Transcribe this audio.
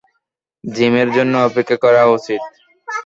জিমের জন্য অপেক্ষা করা উচিত।